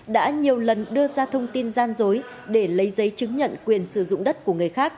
đã nhiều lần đưa ra thông tin gian dối để lấy giấy chứng nhận quyền sử dụng đất của người khác